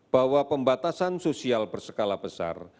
bahwa pembatasan sosial berskala besar